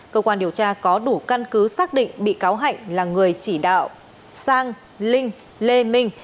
cơ quan điều tra có đủ căn cứ xác định bị cáo hạnh là người chỉ đạo sang linh lê minh